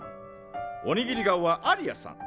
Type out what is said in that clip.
おにぎり顔はアリアさん。